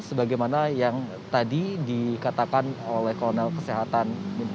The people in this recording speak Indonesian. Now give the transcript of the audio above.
sebagaimana yang tadi dikatakan oleh kolonel kesehatan